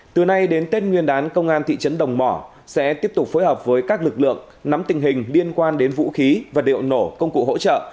từ nay đến tết nguyên đán công an thị trấn đồng mỏ sẽ tiếp tục phối hợp với các lực lượng nắm tình hình liên quan đến vũ khí và liệu nổ công cụ hỗ trợ